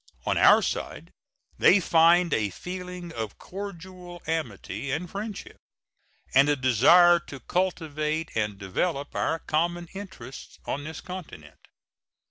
On our side they find a feeling of cordial amity and friendship, and a desire to cultivate and develop our common interests on this continent.